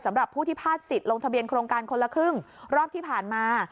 สำหรับผู้ที่พลาดสิทธิ์ลงทะเบียนโครงการคนละครึ่งรอบที่ผ่านมา